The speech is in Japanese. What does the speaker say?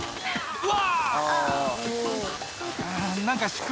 うわ。